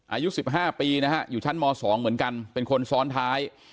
อายุ๑๕ปีนะฮะอยู่ชั้นม๒เหมือนกันเป็นคนซ้อนท้าย